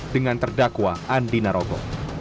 dengan terdakwa andi narogo